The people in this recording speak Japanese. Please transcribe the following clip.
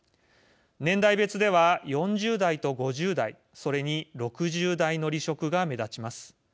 年代別では、４０代と５０代それに６０代の離職が目立ちます。